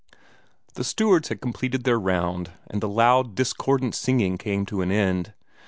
The stewards had completed their round, and the loud, discordant singing came to an end.